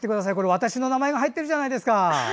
私の名前が入ってるじゃないですか！